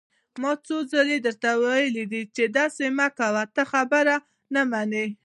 ما څو ځله درته ويلي دي چې داسې مه کوه، ته خبره نه منې!